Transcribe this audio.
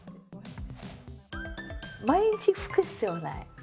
毎日拭く必要ない。